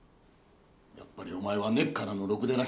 やっぱりお前は根っからのろくでなしだな。